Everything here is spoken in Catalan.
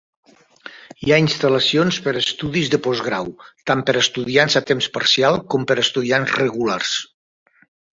Hi ha instal·lacions per a estudis de postgrau, tant per a estudiants a temps parcial com per a estudiants regulars.